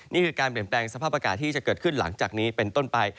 นี่คือการเปลี่ยนแปลงสภาพอากาศที่จะเกิดขึ้นหลังจากนี้เป็นต้นไป